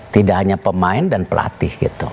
tidak hanya pemain dan pelatih gitu